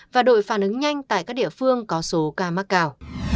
và đội phản ứng nhanh tại các địa phương có số ca mắc cao